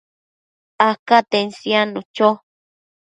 acaten siadnu cho